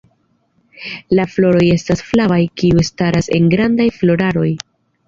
La floroj estas flavaj, kiuj staras en grandaj floraroj.